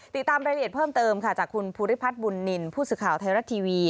ติดตามรายละเอียดเพิ่มเติมค่ะจากคุณภูริพัฒน์บุญนินทร์ผู้สื่อข่าวไทยรัฐทีวี